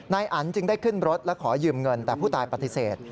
อันจึงได้ขึ้นรถและขอยืมเงินแต่ผู้ตายปฏิเสธ